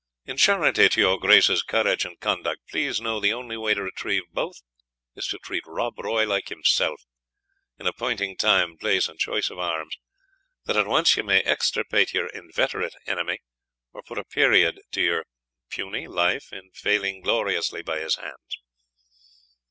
"In charity to your Grace's couradge and conduct, please know, the only way to retrive both is to treat Rob Roy like himself, in appointing tyme, place, and choice of arms, that at once you may extirpate your inveterate enemy, or put a period to your punny (puny?) life in falling gloriously by his hands.